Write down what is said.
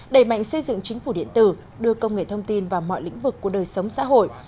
đẩy mạnh xây dựng chính phủ điện tử đưa công nghệ thông tin vào mọi lĩnh vực của đời sống xã hội